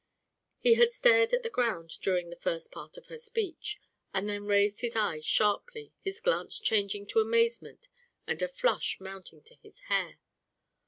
He had stared at the ground during the first part of her speech, and then raised his eyes sharply, his glance changing to amazement and a flush mounting to his hair.